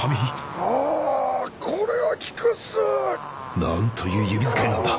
あこれは効くっすなんという指遣いなんだ